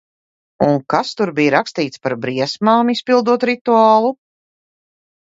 Un kas tur bija rakstīts par briesmām, izpildot rituālu?